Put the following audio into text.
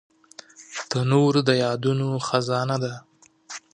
تنور د یادونو خزانه ده